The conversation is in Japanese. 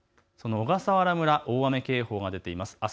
小笠原村、大雨警報が出ています。